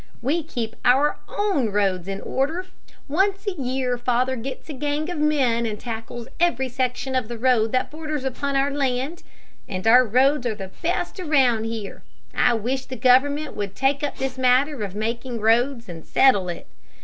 We keep our own roads in order. Once a year, father gets a gang of men and tackles every section of the road that borders upon our land, and our roads are the best around here. I wish the government would take up this matter of making roads and settle it.